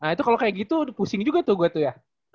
nah itu kalau kayak gitu pusing juga tuh gue tuh ya